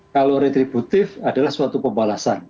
kalau retributif adalah suatu pembalasan